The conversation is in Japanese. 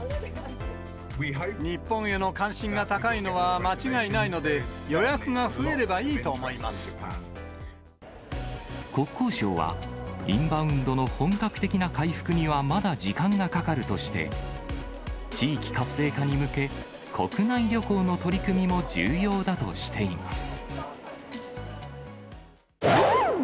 日本への関心が高いのは間違いないので、国交省は、インバウンドの本格的な回復にはまだ時間がかかるとして、地域活性化に向け、国内旅行の取り組みも重要だとしています。